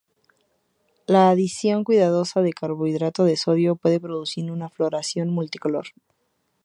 La adición cuidadosa de carbonato sódico puede producir una floración multicolor.